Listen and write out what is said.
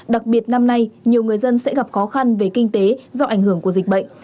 đặc biệt năm nay nhiều người dân sẽ gặp khó khăn về kinh tế do ảnh hưởng của dịch bệnh